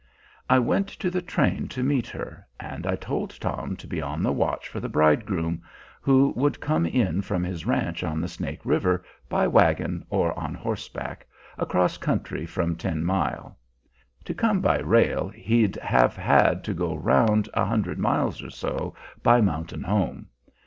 I went to the train to meet her, and I told Tom to be on the watch for the bridegroom, who would come in from his ranch on the Snake River, by wagon or on horseback, across country from Ten Mile. To come by rail he'd have had to go round a hundred miles or so, by Mountain Home.